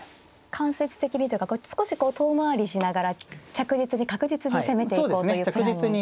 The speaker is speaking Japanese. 間接的にというか少しこう遠回りしながら着実に確実に攻めていこうというプランに。